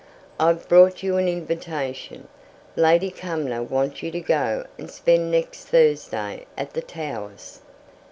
I've brought you an invitation. Lady Cumnor wants you to go and spend next Thursday at the Towers!"